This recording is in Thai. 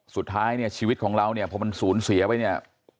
สุดท้ายเนี่ยชีวิตของเราเนี่ยพอมันสูญเสียไปเนี่ย